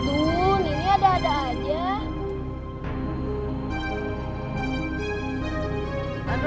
jangan terlalu kata dengan nya